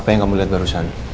apa yang kamu lihat barusan